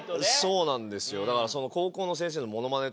そうなんですよだから。